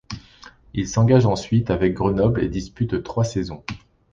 Il s'engage ensuite avec Grenoble et dispute trois saisons.